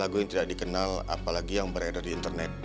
lagu yang tidak dikenal apalagi yang beredar di internet